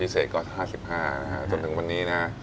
เศษก็๕๕จนถึงวันนี้นะ